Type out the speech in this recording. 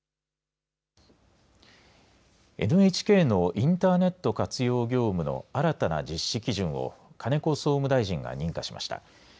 ＮＨＫのインターネット活用業務の新たな実施基準を金子総務大臣が認可しました。